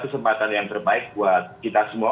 kesempatan yang terbaik buat kita semua